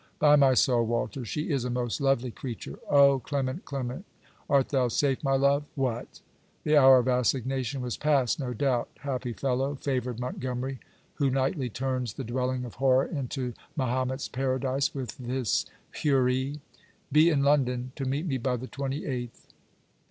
By my soul, Walter, she is a most lovely creature. 'Oh Clement! Clement! art thou safe, my love?' What! The hour of assignation was past, no doubt! Happy fellow! Favoured Montgomery! Who nightly turns the dwelling of horror into Mahomet's paradise with this Houri. Be in London, to meet me by the twenty eighth.